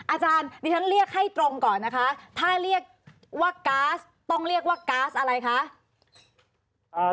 อาจารย์ดิฉันเรียกให้ตรงก่อนนะคะถ้าเรียกว่าก๊าซต้องเรียกว่าก๊าซอะไรคะ